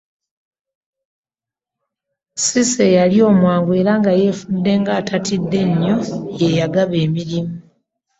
Cissy eyali omwangu era nga yeefudde ng'atatidde nnyo ye yagaba emirimu.